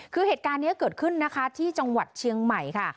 คือเหตุการณ์นี้เกิดขึ้นนะคะที่จังหวัดเชียงใหม่ค่ะ